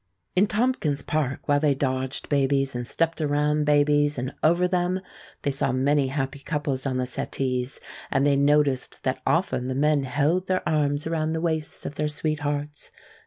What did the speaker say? In Tompkins Park, while they dodged babies and stepped around babies and over them, they saw many happy couples on the settees, and they noticed that often the men held their arms around the waists of their sweethearts.